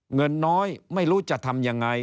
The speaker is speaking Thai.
เงินน้อยไม่รู้จะทำยังไง